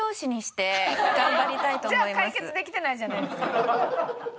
じゃあ解決できてないじゃないですか。